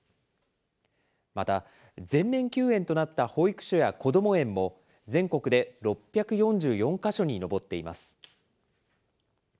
また全面休園となった保育所やこども園も全国で６４４か所に上っています。